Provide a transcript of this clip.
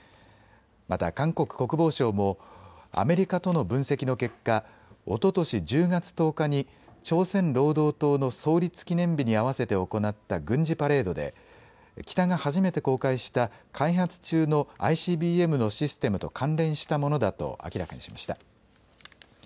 また韓国国防省もアメリカとの分析の結果、おととし１０月１０日に朝鮮労働党の創立記念日に合わせて行った軍事パレードで北が初めて公開した開発中のＩＣＢＭのシステムと関連したものだと明らかにしました。